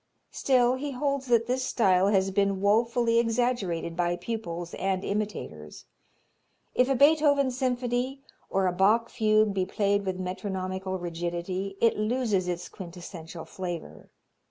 Still he holds that this style has been woefully exaggerated by pupils and imitators. If a Beethoven symphony or a Bach fugue be played with metronomical rigidity it loses its quintessential flavor.